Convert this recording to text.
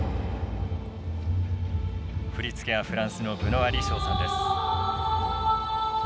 振り付けはフランスのブノワリショーさんです。